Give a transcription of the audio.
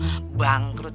kalo warung sulam bangkrut